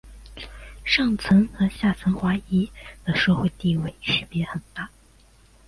上层和下层华裔的社会地位区别很大。